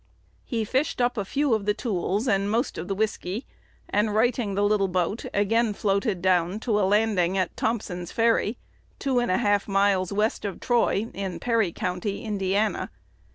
He fished up a few of the tools "and most of the whiskey," and, righting the little boat, again floated down to a landing at Thompson's Ferry, two and a half miles west of Troy, in Perry County, Indiana.